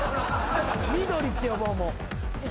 緑って呼ぼうもう。